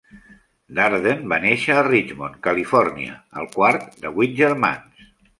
Darden va néixer a Richmond, Califòrnia, el quart de vuit germans.